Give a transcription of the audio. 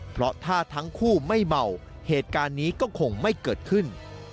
เพราะถ้าทั้งคู่ไม่เมาเหตุการณ์นี้ก็คงไม่เกิดขึ้น